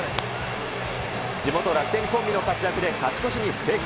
地元、楽天コンビの活躍で勝ち越しに成功。